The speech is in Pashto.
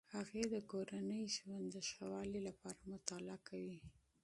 هغې د کورني ژوند د ښه والي لپاره مطالعه کوي.